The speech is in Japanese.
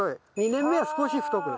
２年目は少し太く。